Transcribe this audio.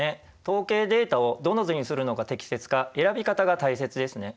統計データをどの図にするのが適切か選び方が大切ですね。